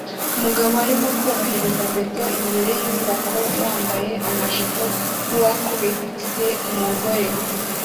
umugabo arimo korohereza beto imbere yinyubako yambaye amajipo nuwakubise umugore